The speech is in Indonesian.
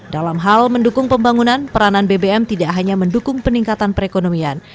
dalam hal mendukung pembangunan peranan bbm tidak hanya mendukung peningkatan perekonomian